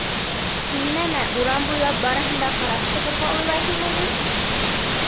— Һин нәмә, урам буйлап барыһын да ҡарап сығырға уйлайһыңмы ни?